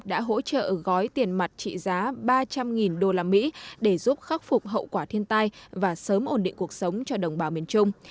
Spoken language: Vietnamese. đã hỗ trợ gói tiền mặt trị giá ba trăm linh usd để giúp khắc phục hậu quả thiên tai và sớm ổn định cuộc sống cho đồng bào miền trung